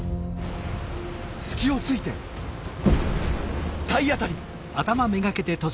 隙をついて体当たり！